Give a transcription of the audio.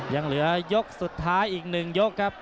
ยังเหลือยกสุดท้ายอีก๑ยกครับ